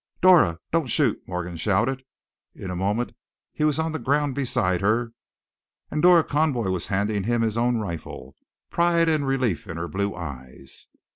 "Dora! don't shoot!" Morgan shouted. In a moment he was on the ground beside her, and Dora Conboy was handing him his own rifle, pride and relief in her blue eyes.